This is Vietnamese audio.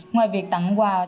ngoài việc tặng quà